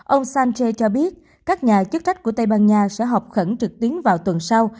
ông sanche cho biết các nhà chức trách của tây ban nha sẽ họp khẩn trực tiến vào tuần sau